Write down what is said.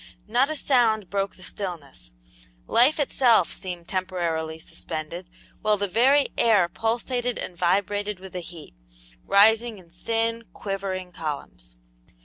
Not a sound broke the stillness; life itself seemed temporarily suspended, while the very air pulsated and vibrated with the heat, rising in thin, quivering columns.